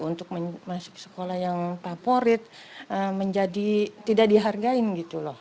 untuk masuk sekolah yang favorit menjadi tidak dihargain gitu loh